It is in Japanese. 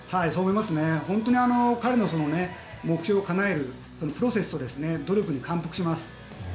本当に彼の目標をかなえるプロセスと努力に感服します。